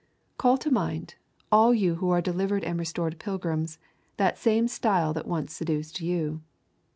Call to mind, all you who are delivered and restored pilgrims, that same stile that once seduced you.